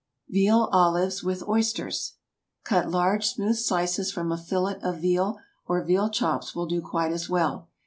VEAL OLIVES WITH OYSTERS. Cut large, smooth slices from a fillet of veal, or veal chops will do quite as well.